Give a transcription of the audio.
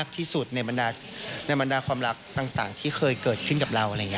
ขึ้นกับเราอะไรอย่างงี้ครับ